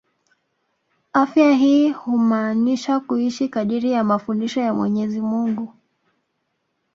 Afya hii humaanusha kuishi kadiri ya mafundisho ya Mwenyezi Mungu